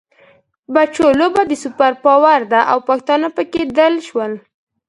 بچو! لوبه د سوپر پاور ده او پښتانه پکې دل شول.